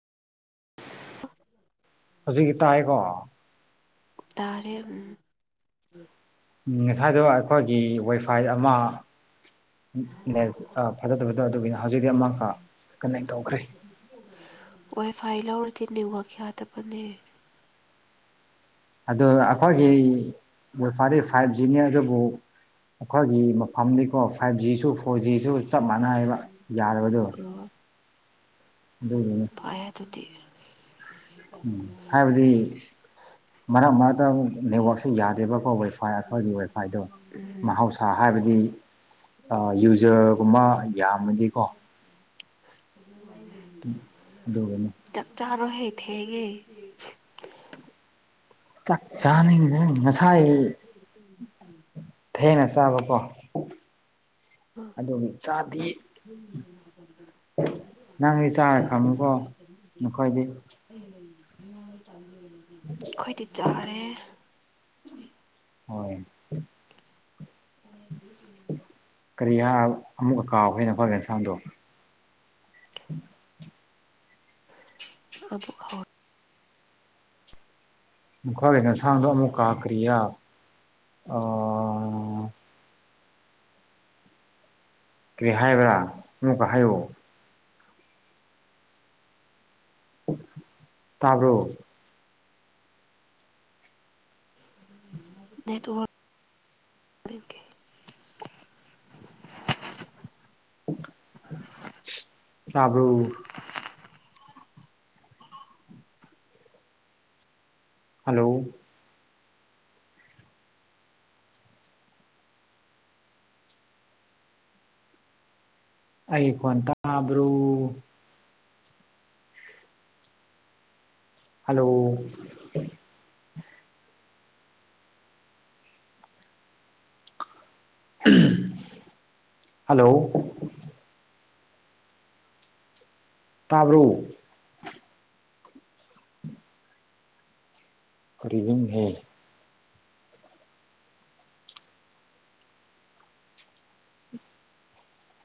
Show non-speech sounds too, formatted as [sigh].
ꯑ ꯑ ꯍꯧꯖꯤꯛꯀꯤ ꯇꯥꯏꯀꯣ ꯇꯥꯔꯦ ꯑꯝ ꯉꯁꯥꯏꯗꯨꯣ ꯑꯩꯈꯣꯏꯒꯤ ꯋꯥꯏꯐꯥꯏ ꯑꯃ ꯐꯖꯗꯕꯗ ꯑꯗꯨꯒꯤꯅꯤ ꯍꯧꯖꯤꯛꯇꯤ ꯑꯃꯈ ꯀꯟꯅꯦꯛ ꯇꯧꯈ꯭ꯔꯦ ꯋꯥꯏ ꯐꯥꯏ ꯂꯧꯔꯗꯤ ꯅꯦꯋꯥꯛ ꯌꯥꯗꯕꯅꯦ ꯑꯗꯨ ꯑꯩꯈꯣꯏꯒꯤ ꯋꯥꯏꯐꯥꯏꯗꯤ ꯐꯥꯏꯚ ꯖꯤꯅꯤ ꯑꯗꯨꯕꯨ ꯑꯩꯈꯣꯏꯒꯤ ꯃꯐꯝꯅꯤꯀꯣ ꯐꯥꯏꯚ ꯖꯤꯁꯨ ꯐꯣꯔ ꯖꯤꯁꯨ ꯆꯞ ꯃꯥꯟꯅꯩꯕ ꯌꯥꯗꯕꯗꯣ ꯑꯣ ꯐꯔꯦ ꯑꯗꯨꯗꯤ ꯎ [inaudible] ꯎꯝ ꯍꯥꯏꯕꯗꯤ ꯃꯔꯛ ꯃꯔꯛꯇ ꯅꯦꯠꯋꯥꯛꯁꯦ ꯌꯥꯗꯦꯕꯀꯣ ꯋꯥꯏꯐꯥꯏ ꯑ ꯑꯩꯈꯣꯏꯒꯤ ꯋꯦꯐꯥꯏꯗꯣ ꯎꯝ ꯃꯍꯧꯁꯥ ꯍꯥꯏꯕꯗꯤ ꯌꯨꯖꯔꯒꯨꯝꯕ ꯌꯥꯝꯃꯗꯤꯀꯣ ꯑꯗꯨꯒꯅꯤ ꯆꯥꯛ ꯆꯔꯣꯍꯦ ꯊꯦꯡꯉꯦ ꯆꯥꯛ ꯆꯥꯅꯤꯡꯗꯦ ꯉꯁꯥꯏ [inaudible] ꯊꯦꯡꯅ ꯆꯥꯕꯀꯣ ꯑꯗꯨꯒꯤ ꯆꯗꯔꯤ ꯅꯪꯗꯤ ꯆꯥꯔ ꯈꯝꯉꯨꯀꯣ ꯅꯈꯣꯏꯗꯤ [unintelligible] ꯑꯩꯈꯣꯏꯗꯤ ꯆꯥꯔꯦ ꯍꯣꯏ ꯑ ꯎꯝ [inaudible] ꯀꯔꯤ ꯍꯥꯏ ꯑꯃꯨꯛꯀ ꯀꯥꯎꯈꯔꯦꯅꯦ ꯏꯟꯁꯥꯡꯗꯣ ꯑꯕꯨ ꯈ [unintelligible] [unintelligible] ꯉꯁꯥꯡꯗꯣ ꯑꯃꯨꯛ ꯀꯥꯈ꯭ꯔꯤꯌꯥ ꯀꯔꯤ ꯍꯥꯏꯕ꯭ꯔꯥ ꯑꯃꯨꯛꯀ ꯍꯥꯏꯌꯨ ꯇꯥꯕꯔꯣ ꯅꯦꯋꯔ [unintelligible] ꯇꯥꯕ꯭ꯔꯨꯣ ꯍꯜꯂꯣ ꯑꯩꯒꯤ ꯈꯣꯟ ꯇꯕ꯭ꯔꯣ ꯍꯜꯂꯣ ꯍꯜꯂꯣ ꯇꯥꯕ꯭꯭ꯔꯣ ꯀꯔꯤꯅꯣꯍꯦ